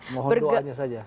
mohon doanya saja